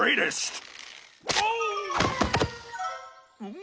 ん？